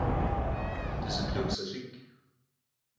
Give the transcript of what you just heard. Dızeblopselhıç'.